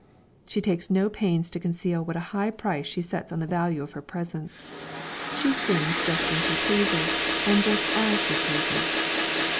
She takes no pains to conceal what a high price she sets on the value of her presence. She sings just when she pleases, and just as she pleases.